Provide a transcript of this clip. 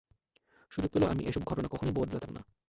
সুযোগ পেলেও আমি এসব ঘটনা কখনোই বদলাতাম না।